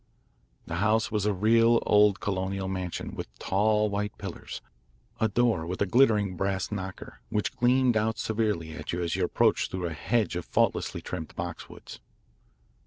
The house was a real, old colonial mansion with tall white pillars, a door with a glittering brass knocker, which gleamed out severely at you as you approached through a hedge of faultlessly trimmed boxwoods.